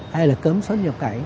hay là cấm xuất nhập cải